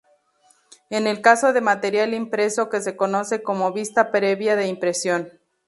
En el caso de material impreso que se conoce como "vista previa de impresión".